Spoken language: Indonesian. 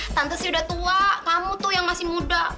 tante saya udah tua kamu tuh yang masih muda